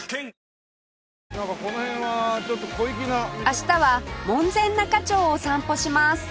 明日は門前仲町を散歩します